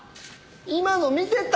今の見てた！？